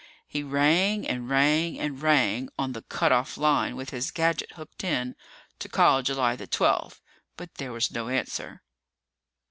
He rang and rang and rang, on the cut off line with his gadget hooked in to call July the twelfth. But there was no answer.